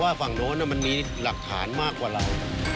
ว่าฝั่งโน้นมันมีหลักฐานมากกว่าอะไร